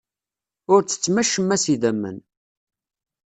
Ur ttettem acemma s idammen.